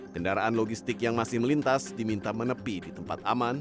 kendaraan logistik yang masih melintas diminta menepi di tempat aman